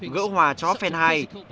gỡ hòa cho ho phenhai